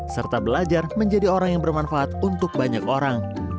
serta belajar menjadi orang yang bermanfaat untuk banyak orang